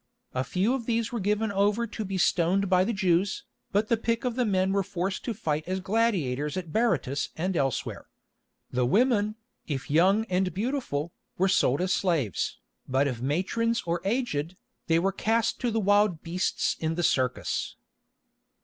A few of these were given over to be stoned by the Jews, but the pick of the men were forced to fight as gladiators at Berytus and elsewhere. The women, if young and beautiful, were sold as slaves, but if matrons or aged, they were cast to the wild beasts in the circus.